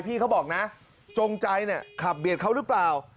พี่เขาบอกนะจงใจเนี่ยขับเบียดเขาหรือเปล่า